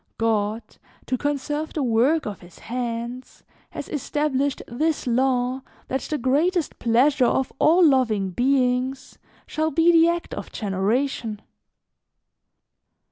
God, to conserve the work of his hands, has established this law that the greatest pleasure of all loving beings shall be the act of generation.